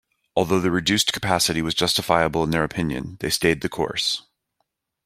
Although the reduced capacity was justifiable in their opinion, they stayed the course.